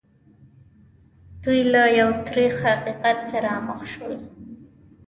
دوی له یو تریخ حقیقت سره مخ شول